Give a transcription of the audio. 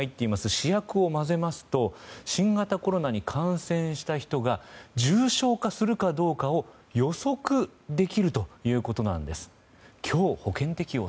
試薬を混ぜますと新型コロナに感染した人が重症化するかどうかを予測できるということなんです。